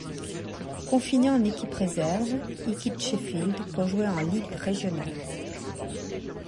Confiné en équipe réserve il quitte Sheffield pour jouer en Ligue régionale.